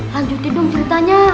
lanjutin dong ceritanya